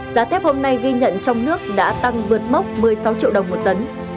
giá thép hôm nay ghi nhận trong nước đã tăng vượt mốc một mươi sáu triệu đồng một tấn